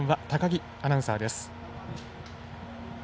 高木アナウンサーです。